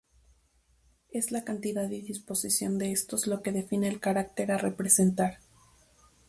Es la cantidad y disposición de estos lo que define el carácter a representar.